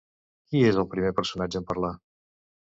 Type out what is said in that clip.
Qui és el primer personatge en parlar?